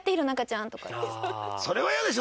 それはイヤでしょ？